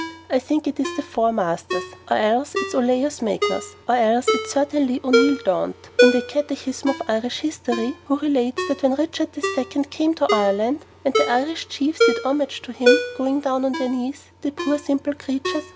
I think it is the Four Masters, or else it's Olaus Magnus, or else it's certainly O'Neill Daunt, in the 'Catechism of Irish History,' who relates that when Richard the Second came to Ireland, and the Irish chiefs did homage to him, going down on their knees the poor simple creatures!